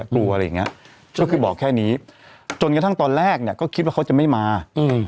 กลัวอะไรอย่างเงี้ยก็คือบอกแค่นี้จนกระทั่งตอนแรกเนี้ยก็คิดว่าเขาจะไม่มาอืม